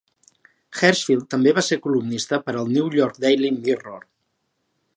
Hershfield també va ser columnista per al New York Daily Mirror.